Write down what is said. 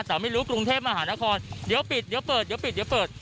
แต่ไม่รู้กรุงเทพฯมาหานครเดี๋ยวปิดเดี๋ยวเปิด